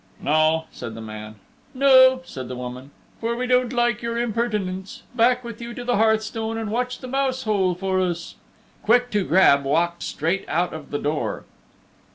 "No," said the man. "No," said the woman, "for we don't like your impertinence. Back with you to the hearthstone, and watch the mouse hole for us." Quick to Grab walked straight out of the door.